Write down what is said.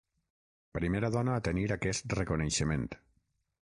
Primera dona a tenir aquest reconeixement.